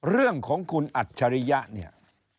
เรื่องของคุณอัตชริยะ